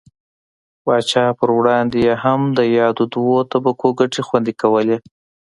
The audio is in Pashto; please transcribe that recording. پاچا پر وړاندې یې هم د یادو دوو طبقو ګټې خوندي کولې.